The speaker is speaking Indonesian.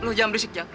lo jangan berisik ya